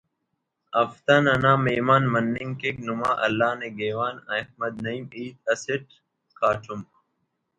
ہفتہ ننا مہمان مننگ کیک نما اللہ نگہوان احمد نعیم ۔۔۔ ”ہیت اسٹ کاٹمک